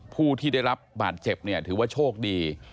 ผู้ที่ได้รับบาดเจ็บเนี่ยถือว่าโชคดี